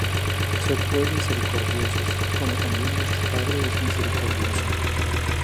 Sed pues misericordiosos, como también vuestro Padre es misericordioso.